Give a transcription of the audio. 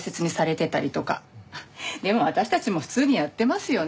でも私たちも普通にやってますよね。